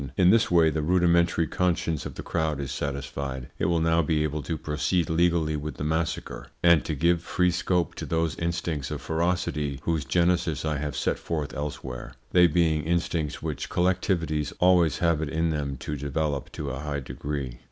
In this way the rudimentary conscience of the crowd is satisfied. It will now be able to proceed legally with the massacre, and to give free scope to those instincts of ferocity whose genesis I have set forth elsewhere, they being instincts which collectivities always have it in them to develop to a high degree.